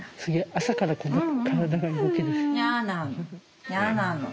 朝からこんなに体が動ける。